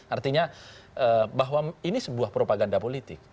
artinya bahwa ini sebuah propaganda politik